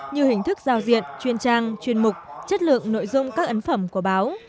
như hình thức giao diện chuyên trang chuyên mục chất lượng nội dung các ấn phẩm của báo